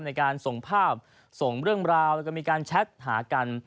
ในการส่งภาพส่งเรื่องราวแล้วก็มีการแชทหากัน